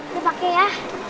ini pakai ya